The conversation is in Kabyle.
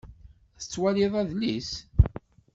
La tettwalid adlis?